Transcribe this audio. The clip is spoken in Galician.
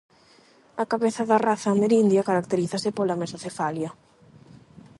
A cabeza da raza amerindia caracterízase pola mesocefalia.